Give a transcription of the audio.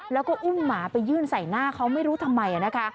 แล้วก็อุ้มหมาไปยื่นใส่หน้าเขาไม่รู้ทำไมนะคะ